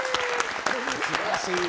すばらしい。